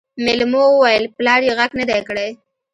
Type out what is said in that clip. مېلمو وويل پلار يې غږ نه دی کړی.